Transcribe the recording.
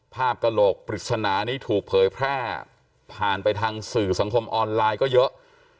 กระโหลกปริศนานี้ถูกเผยแพร่ผ่านไปทางสื่อสังคมออนไลน์ก็เยอะ